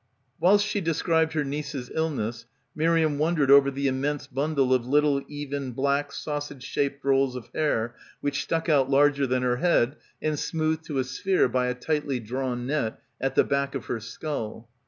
Whilst she described her niece's illness, Miriam wondered over the immense bundle of little even black sausage shaped rolls of hair which stuck out, larger than her head and smoothed to a sphere by a tightly drawn net, at the back of her skull.